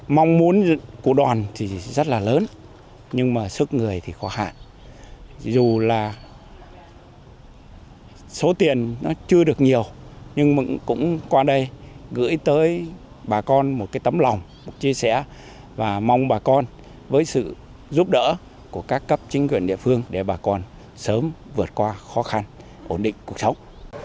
mong muốn của đoàn thì rất là lớn nhưng mà sức người thì khó hạn dù là số tiền nó chưa được nhiều nhưng mình cũng qua đây gửi tới bà con một cái tấm lòng một chia sẻ và mong bà con với sự giúp đỡ của các cấp chính quyền địa phương để bà con sớm vượt qua khó khăn ổn định cuộc sống